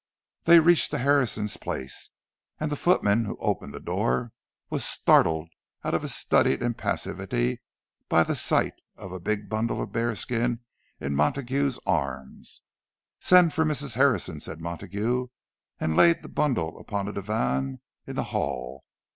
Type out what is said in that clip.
They reached the Harrisons' place; and the footman who opened the door was startled out of his studied impassivity by the sight of a big bundle of bearskin in Montague's arms. "Send for Mrs. Harrison," said Montague, and laid the bundle upon a divan in the hall.